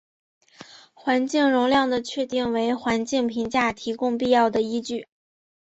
环境容量的确定为环境评价提供必要的依据。